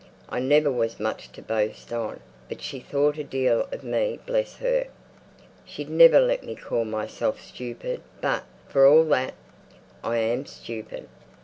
I never was much to boast on; but she thought a deal of me bless her! She'd never let me call myself stupid; but, for all that, I am stupid.